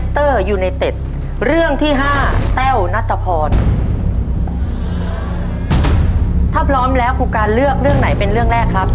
ถ้าพร้อมแล้วครูการเลือกเรื่องไหนเป็นเรื่องแรกครับ